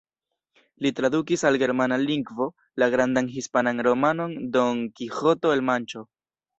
Li tradukis al germana lingvo la grandan hispanan romanon Don Kiĥoto el Manĉo.